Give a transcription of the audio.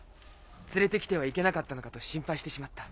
連れてきてはいけなかったのかと心配してしまった。